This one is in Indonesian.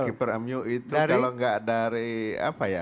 keeper mu itu kalau gak dari apa ya